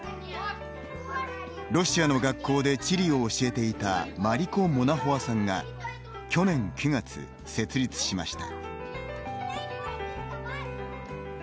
ロシアの学校で地理を教えていたマリコ・モナホワさんが去年９月設立しました。